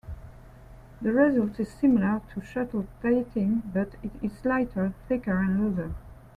The result is similar to shuttle tatting but is slightly thicker and looser.